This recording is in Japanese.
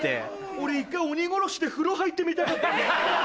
俺一回鬼ころしで風呂入ってみたかったんだ。